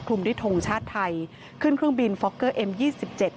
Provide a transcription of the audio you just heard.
ด้วยทงชาติไทยขึ้นเครื่องบินฟอกเกอร์เอ็มยี่สิบเจ็ด